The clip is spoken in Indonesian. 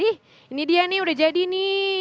ih ini dia nih udah jadi nih